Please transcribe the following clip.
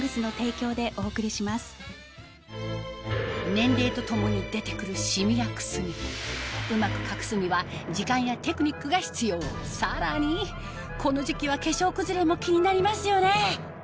年齢とともに出てくるうまく隠すには時間やテクニックが必要さらにこの時期は化粧崩れも気になりますよね